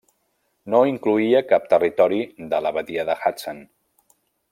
No incloïa cap territori de la Badia de Hudson.